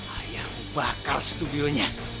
ayah bakar studionya